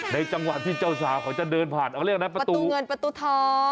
ในจังหวัดที่เจ้าสาวเขาจะเดินผ่านประตูเงินประตูทอง